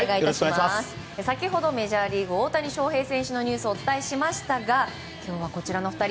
先ほどメジャーリーグ大谷翔平選手のニュースをお伝えしましたが今日は、こちらの２人。